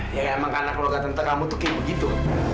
ya emang karena keluarga tentang kamu tuh kayak begitu